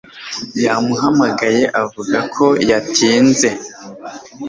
Yamuhamagaye avuga ko yatinze.